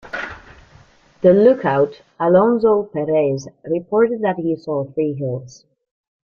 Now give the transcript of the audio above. The lookout, Alonzo Perez reported that he saw three hills.